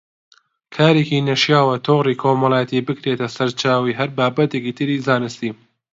کارێکی نەشیاوە تۆڕی کۆمەڵایەتی بکرێتە سەرچاوەی هەر بابەتێکی تری زانستی